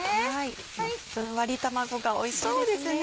ふんわり卵がおいしいですね。